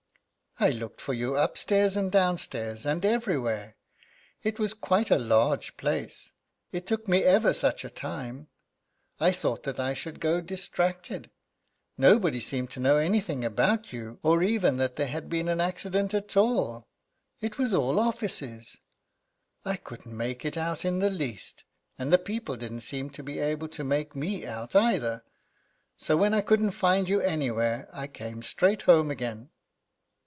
"I looked for you upstairs and downstairs, and everywhere. It was quite a large place, it took me ever such a time. I thought that I should go distracted. Nobody seemed to know anything about you, or even that there had been an accident at all it was all offices. I couldn't make it out in the least, and the people didn't seem to be able to make me out either. So when I couldn't find you anywhere I came straight home again."